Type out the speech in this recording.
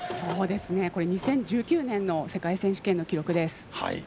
２０１９年の世界選手権の記録です。